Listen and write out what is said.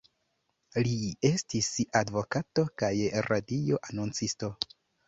Li estis advokato kaj radio-anoncisto.